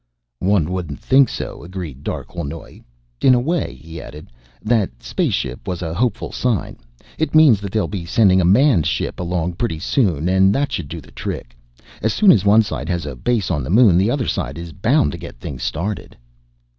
"One wouldn't think so," agreed Darquelnoy. "In a way," he added, "that spaceship was a hopeful sign. It means that they'll be sending a manned ship along pretty soon, and that should do the trick. As soon as one side has a base on the Moon, the other side is bound to get things started."